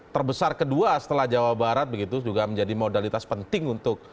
terbesar kedua setelah jawa barat begitu juga menjadi modalitas penting untuk